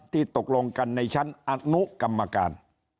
ตกลงกันในชั้นอนุกรรมการ